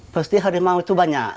pasti harimau itu banyak